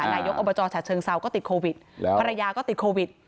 นายกอบจฉะเชิงเซาก็ติดโควิดภรรยาก็ติดโควิด